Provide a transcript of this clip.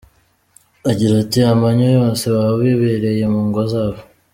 Agira ati :”Amanywa yose baba bibereye mu ngo zabo”.